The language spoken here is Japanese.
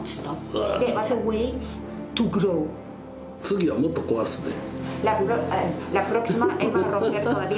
次はもっと壊すで。